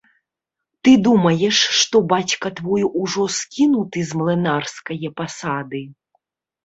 Ты думаеш, што бацька твой ужо скінуты з млынарскае пасады?